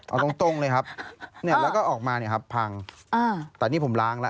เอาตรงตรงเลยครับเนี่ยแล้วก็ออกมาเนี่ยครับพังแต่นี่ผมล้างแล้ว